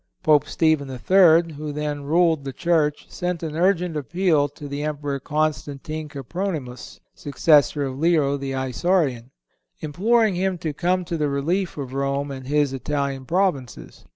Pope Stephen III.,(183) who then ruled the Church, sent an urgent appeal to the Emperor Constantine Copronymus, successor of Leo the Isaurian, imploring him to come to the relief of Rome and his Italian provinces.